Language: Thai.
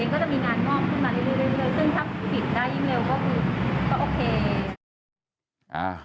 ความผิดหัวเทศก็จะมีงานง่อมขึ้นมาเรื่อย